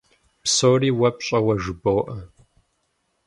Псори уэ пщӀэуэ жыбоӀэ.